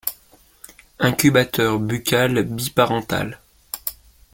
Incubateur buccal bi-parental.